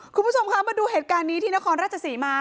คุณผู้ชมคะมาดูเหตุการณ์นี้ที่นครราชศรีมา